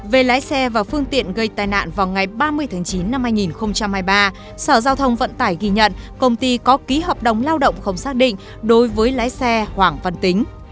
về lái xe và phương tiện gây tai nạn vào ngày ba mươi tháng chín năm hai nghìn hai mươi ba sở giao thông vận tải ghi nhận công ty có ký hợp đồng lao động không xác định đối với lái xe hoàng văn tính